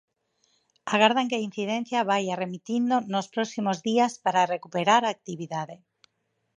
Agardan que a incidencia vaia remitindo nos próximos días para recuperar a actividade.